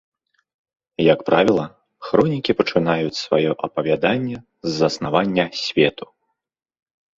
Як правіла, хронікі пачынаюць сваё апавяданне з заснавання свету.